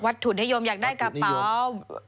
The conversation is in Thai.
วัตถุนิยมอยากได้กระเป๋า